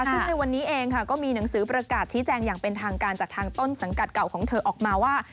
ซึ่งในวันนี้เองก็มีหนังสือประกาศชี้แจงอย่างเป็นทางการจากทางต้นสังกัดเก่าของเธอออกมาว่า